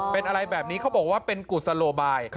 เป็นอะไรแบบนี้เขาบอกว่าเป็นกุศโลบาย